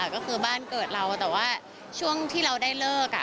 ก็คือบ้านเกิดเราแต่ว่าช่วงที่เราได้เลิก